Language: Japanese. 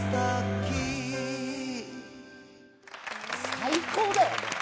最高だよ。